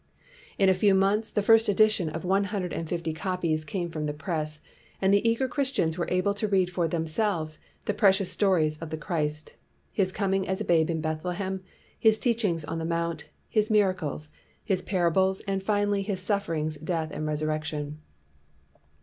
In a few months the first edition of one hundred and fifty copies came from the press, and the eager Christians were able to read for themselves the precious stories of the Christ ;— his com ing as a babe in Bethlehem, his teachings on the Mount, his miracles, his parables, and finally his sufferings, death, and resurrec tion.